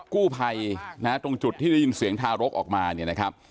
กู้ภัยนะฮะตรงจุดที่ได้ยินเสียงทารกออกมาเนี่ยนะครับ